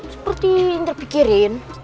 seperti yang terpikirin